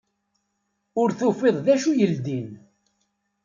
Ur tufiḍ d acu yeldin.